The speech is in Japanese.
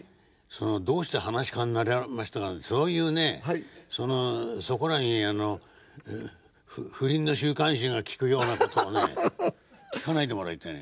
「どうして噺家になりましたか」なんてそういうねそこらに不倫の週刊誌が聞くようなことをね聞かないでもらいたいね。